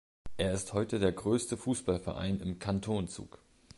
Er ist heute der grösste Fussballverein im Kanton Zug.